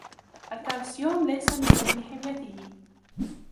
الكالسيوم ليس من ضمن حميته.